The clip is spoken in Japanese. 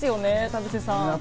田臥さん。